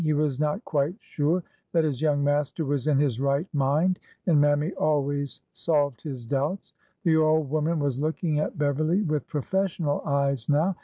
He was not quite sure that his young master was in his right mind, and Mammy always solved his doubts. The old woman was looking at Beverly with professional eyes now.